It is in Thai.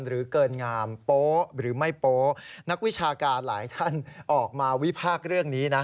หรือเกินงามโป๊หรือไม่โป๊นักวิชาการหลายท่านออกมาวิพากษ์เรื่องนี้นะ